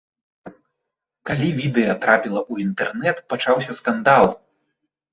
Калі відэа трапіла ў інтэрнэт, пачаўся скандал.